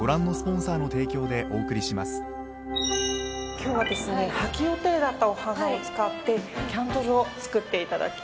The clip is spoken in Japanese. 今日はですね破棄予定だったお花を使ってキャンドルを作っていただきます。